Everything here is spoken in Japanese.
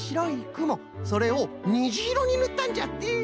それをにじいろにぬったんじゃって。